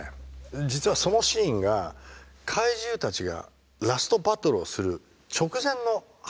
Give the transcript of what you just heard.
実はそのシーンが怪獣たちがラストバトルをする直前の話だったんですよシーンがね。